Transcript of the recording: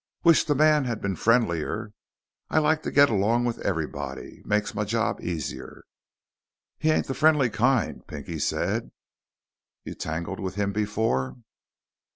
"Wish the man had been friendlier. I like to get along with everybody. Makes my job easier." "He ain't the friendly kind," Pinky said. "You tangled with him before?"